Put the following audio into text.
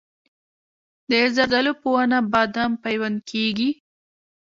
د زردالو په ونه بادام پیوند کیږي؟